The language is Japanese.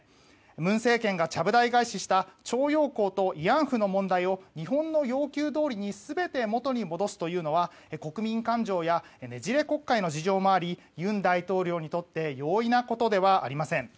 文政権がちゃぶ台返しした徴用工と慰安婦の問題を日本の要求どおりに全て元に戻すというのは国民感情やねじれ国会の事情もあり尹大統領にとって容易なことではありません。